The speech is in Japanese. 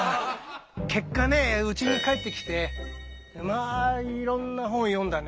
結果ねうちに帰ってきてまあいろんな本を読んだね。